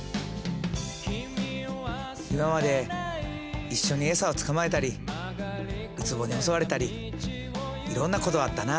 今まで一緒にエサを捕まえたりウツボに襲われたりいろんなことがあったな。